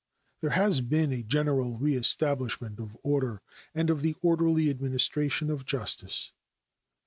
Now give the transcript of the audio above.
There has been a general reestablishment of order and of the orderly administration of justice.